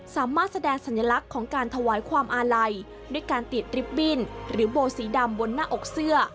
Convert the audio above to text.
สามารถแสดงสัญลักษณ์ของการถวายความอาลัยด้วยการติดริบบิ้นหรือโบสีดำบนหน้าอกเสื้อ